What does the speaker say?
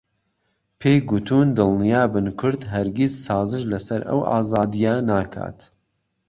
پێی گووتوون دڵنیابن کورد ههرگیز سازش لهسهر ئهو ئازادییه ناکات